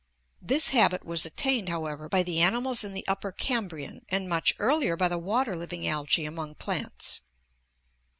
This habit was attained, however, by the animals in the Upper Cambrian, and much earlier by the water living algae among plants.